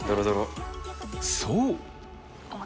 そう。